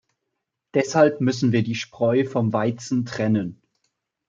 Deshalb müssen wir die Spreu vom Weizen trennen.